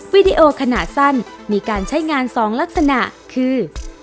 วิดีโอขนาดสั้นมีการใช้งาน๒ลักษณะคือ